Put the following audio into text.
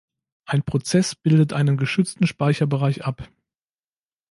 Ein Prozess bildet einen geschützten Speicherbereich ab.